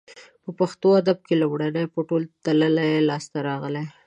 په پښتو ادب کې لومړنۍ په تول تللې لاسته راغلې